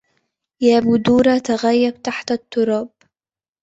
يا بدورا تغيب تحت التراب